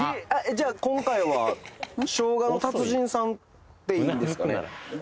じゃあ今回は生姜の達人さんでいいんですかね？